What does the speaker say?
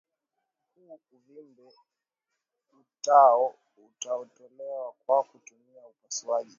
huu uvimbe utao utatolewa kwa kutumia upasuaji